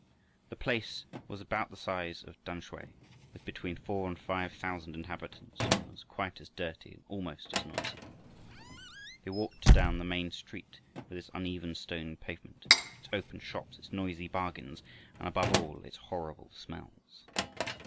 The place was about the size of Tamsui, with between four and five thousand inhabitants, and was quite as dirty and almost as noisy. They walked down the main street with its uneven stone pavement, its open shops, its noisy bargains, and above all its horrible smells.